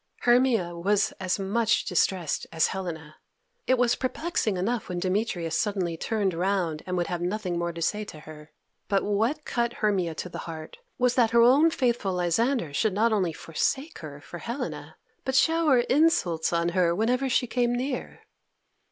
Hermia was as much distressed as Helena. It was perplexing enough when Demetrius suddenly turned round and would have nothing more to say to her; but what cut Hermia to the heart was that her own faithful Lysander should not only forsake her for Helena, but shower insults on her whenever she came near.